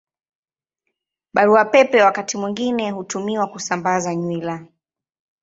Barua Pepe wakati mwingine hutumiwa kusambaza nywila.